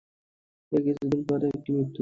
এর কিছুদিন পরেই তিনি মৃত্যুবরণ করলেন।